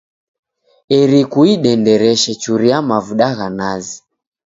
Eri kuidendereshe churia mavuda gha nazi.